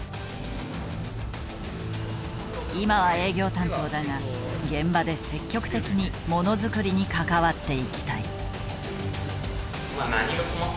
今は営業担当だが現場で積極的にものづくりに関わっていきたい。